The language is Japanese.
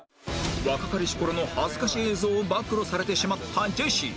若かりし頃の恥ずかしい映像を暴露されてしまったジェシー